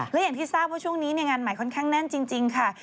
และอย่างที่ทราบว่าช่วงนี้งานใหม่ค่อนข้างแน่นจริงค่ะ